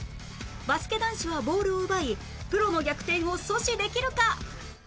バスケ男子はボールを奪いプロの逆転を阻止できるか？